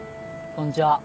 こんちは。